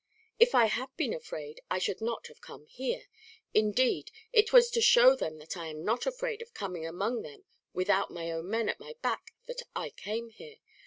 "If I had been afraid, I should not have come here. Indeed, it was to show them that I am not afraid of coming among them without my own men at my back that I came here.